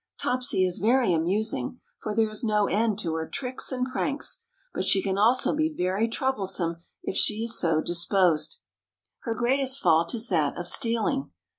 Topsy is very amusing, for there is no end to her tricks and pranks, but she can also be very troublesome if she is so disposed. Her greatest fault is that of stealing.